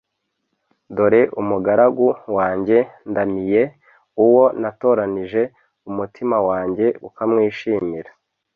Dore umugaragu wanjye ndamiye, uwo natoranije, umutima wanjye ukamwishimira.